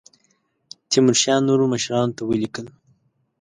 تیمورشاه نورو مشرانو ته ولیکل.